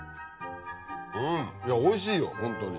うんおいしいよホントに。